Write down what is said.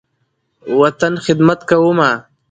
وطن، خدمت کومه